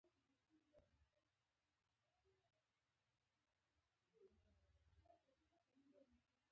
مزارشریف د افغانستان د ټولو شنو سیمو یوه پوره ښکلا ده.